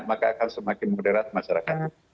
maka akan semakin moderat masyarakatnya